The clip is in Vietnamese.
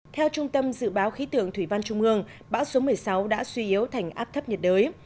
theo trung tâm dự báo khí tượng thủy văn trung ương bão số một mươi sáu đã suy yếu thành áp thấp nhiệt đới